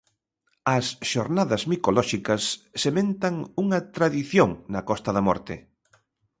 As xornadas micolóxicas sementan unha tradición na Costa da Morte.